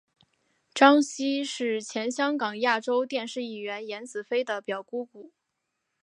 张茜是前香港亚洲电视艺员颜子菲的表姑姑。